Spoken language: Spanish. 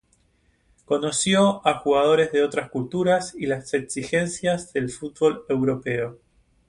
Conoció a jugadores de otras culturas y las exigencias del fútbol europeo.